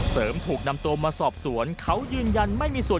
เสริมถูกนำตัวมาสอบสวนเขายืนยันไม่มีส่วน